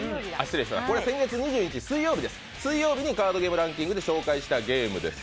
先月２１日、水曜日にカードゲームランキングで紹介したゲームです。